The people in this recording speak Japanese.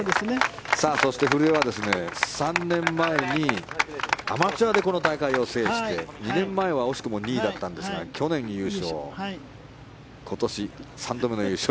そして、古江は３年前にアマチュアでこの大会を制して２年前は惜しくも２位だったんですが去年優勝、今年３度目の優勝。